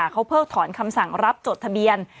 เขาเพิกถอนคำสั่งรับจดทะเบียน